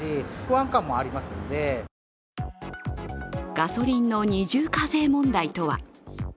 ガソリンの二重課税問題とは。